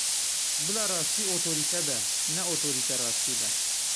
Bîla rastî otorîte be, ne otorîte rastî be.